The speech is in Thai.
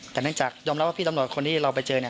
แต่นั้นจากยอมรับว่าพี่ตำรวจคนที่เราไปเจอ